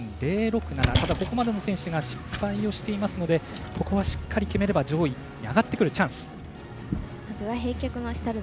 ただ、ここまでの選手が失敗をしていますのでここはしっかり決めれば上位に上がってくるチャンス。